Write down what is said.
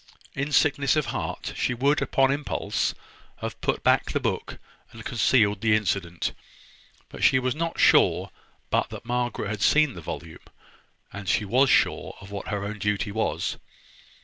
In sickness of heart, she would, upon impulse, have put back the book, and concealed the incident: but she was not sure but that Margaret had seen the volume, and she was sure of what her own duty was.